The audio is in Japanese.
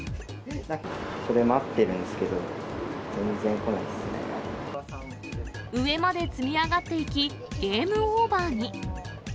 それ、待ってるんですけど、上まで積み上がっていき、ゲームオーバーに。